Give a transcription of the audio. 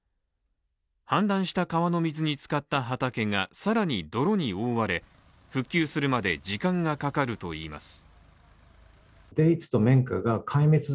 氾濫した川の水につかった畑が更に泥に覆われ、復旧するまで時間がかかるといいます。